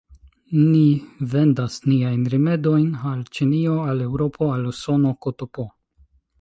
Ni vendas niajn rimedojn al Ĉinio, al Eŭropo, al Usono, ktp.